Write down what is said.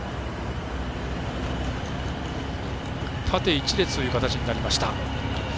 縦１列という形になりました。